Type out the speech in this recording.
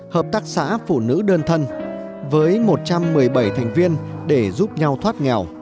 hợp tác xã phụ nữ đơn thân với một trăm một mươi bảy thành viên để giúp nhau thoát nghèo